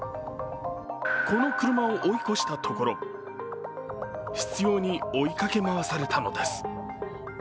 この車を追い越したところ執ように追いかけ回されたのです。